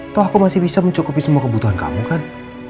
toh aku masih bisa mencukupi semua kebutuhan kamu kan